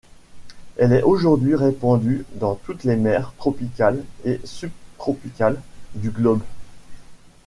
Elle est aujourd'hui répandue dans toutes les mers tropicales et subtropicales du globe.